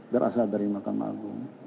berasal dari mahkamah agung